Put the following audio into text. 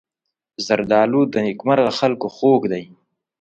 زردالو د نېکمرغه خلکو خوږ دی.